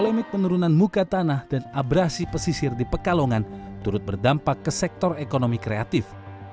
polemik penurunan muka tanah dan abrasi pesisir di pekalongan turut berdampak ke sektor ekonomi kreatif